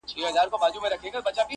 ها د ښكلا شاپېرۍ هغه د سكون سهزادگۍ,